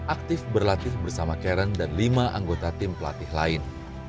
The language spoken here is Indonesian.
aktif berlatih bersama karen dan lima anggota tim pelatih lain